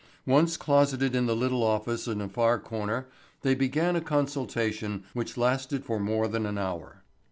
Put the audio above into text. Once closeted in the little office in a far corner they began a consultation which lasted for more than an hour.